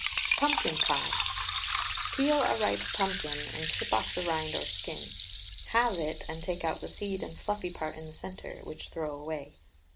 PUMPKIN PIE. Peel a ripe pumpkin and chip off the rind or skin, halve it, and take out the seed and fluffy part in the centre, which throw away.